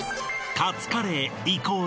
カツカレーイコール